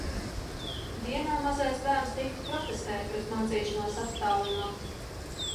Dienā mazais bērns dikti protestēja pret mācīšanos attālināti.